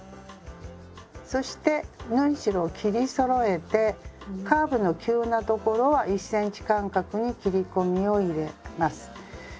そして縫い代を切りそろえてカーブの急な所は１ｃｍ間隔に切り込みを入れます。